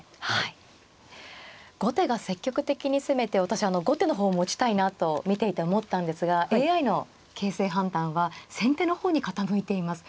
私あの後手の方を持ちたいなと見ていて思ったんですがＡＩの形勢判断は先手の方に傾いています。